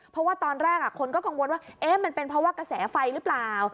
เพราะว่าตอนแรกคนก็กังวลว่ามันเป็นเพราะว่ากระแสไฟหรือเปล่า